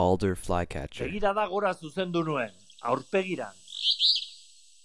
Begirada gora zuzendu nuen, aurpegirantz.